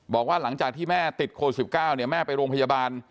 บอกว่าหลังจากที่แม่ติดโควิด๑๙แม่ไปโรงพยาบาล